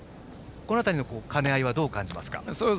この辺りの兼ね合いはどう感じますか。